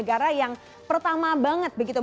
apa yang terjadi